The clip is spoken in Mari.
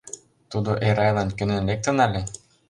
Тудо Эрайлан кӧнен лектын але?..